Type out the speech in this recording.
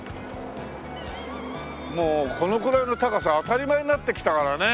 もうこのくらいの高さ当たり前になってきたからね。